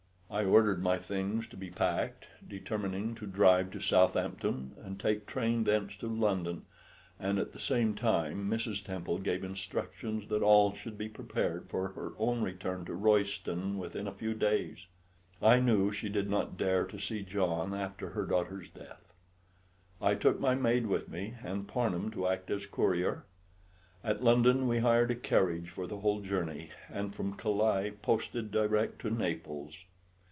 I ordered my things to be packed, determining to drive to Southampton and take train thence to London; and at the same time Mrs. Temple gave instructions that all should be prepared for her own return to Royston within a few days. I knew she did not dare to see John after her daughter's death. I took my maid with me, and Parnham to act as courier. At London we hired a carriage for the whole journey, and from Calais posted direct to Naples.